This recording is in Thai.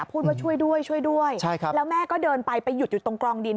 พูดว่าช่วยด้วยช่วยด้วยใช่ครับแล้วแม่ก็เดินไปไปหยุดอยู่ตรงกรองดิน